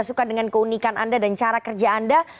suka dengan keunikan anda dan cara kerja anda